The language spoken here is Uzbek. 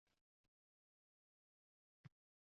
Men har qancha botirlik qilganman.